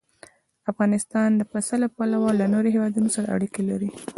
افغانستان د پسه له پلوه له نورو هېوادونو سره اړیکې لري.